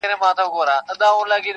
• محکمې ته یې مېرمن کړه را حضوره -